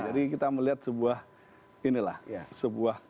kita melihat sebuah inilah sebuah